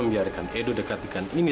ini gak boleh terjadi